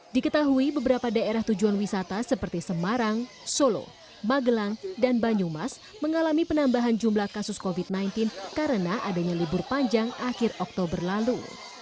diketahui beberapa daerah tujuan wisata seperti semarang solo magelang dan banyumas mengalami penambahan jumlah kasus covid sembilan belas karena adanya libur panjang akhir oktober lalu